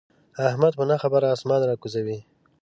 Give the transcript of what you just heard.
احمد په نه خبره اسمان را کوزوي.